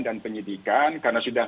dan penyelidikan karena sudah